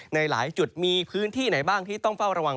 ในหลายจุดมีพื้นที่ไหนบ้างที่ต้องเฝ้าระวัง